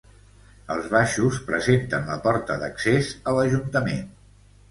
Els baixos presenten la porta d'accés a l'Ajuntament.